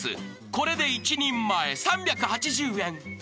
［これで一人前３８０円］